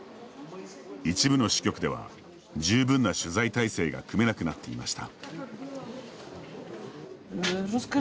一部の支局では十分な取材体制が組めなくなっていました。